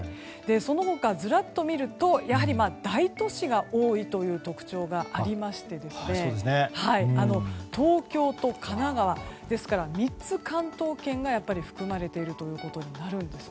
その他ずらっと見るとやはり大都市が多いという特徴がありまして東京と神奈川ですから関東圏が３つ含まれていることになるんです。